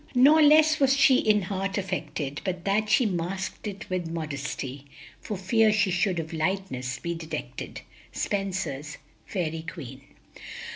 "Nor less was she in heart affected, But that she masked it with modesty, For fear she should of lightness be detected." _Spenser's "Fairy Queen."